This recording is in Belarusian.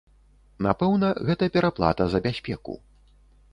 Напэўна, гэта пераплата за бяспеку.